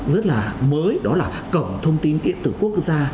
rất là mới đó là cổng thông tin điện tử quốc gia